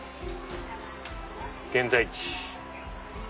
「現在地」。